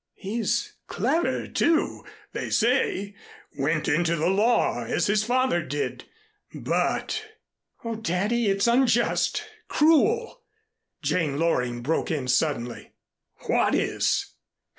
He's clever, too, they say went into the law, as his father did, but " "Oh, Daddy, it's unjust cruel!" Jane Loring broke in suddenly. "What is?"